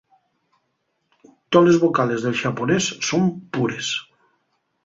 Toles vocales del xaponés son pures.